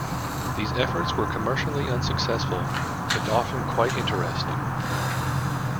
These efforts were commercially unsuccessful, if often quite interesting.